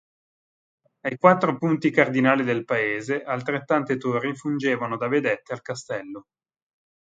Ai quattro punti cardinali del paese altrettante torri fungevano da vedette al castello.